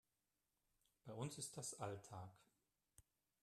Bei uns ist das Alltag.